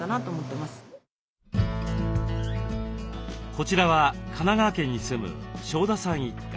こちらは神奈川県に住む庄田さん一家。